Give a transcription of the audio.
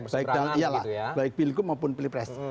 baik dalam ialah baik pilkup maupun pilpres